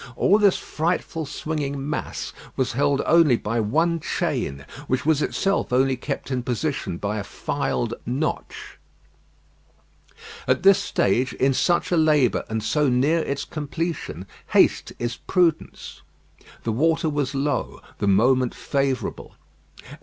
All this frightful swinging mass was held only by one chain, which was itself only kept in position by a filed notch. At this stage, in such a labour and so near its completion, haste is prudence. The water was low; the moment favourable.